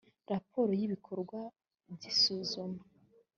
raporo y ibikorwa by isuzuma